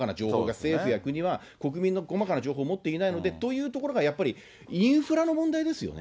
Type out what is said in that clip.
政府や国は、国民の細かな情報を持っていないので、というところがやっぱり、インフラの問題ですよね。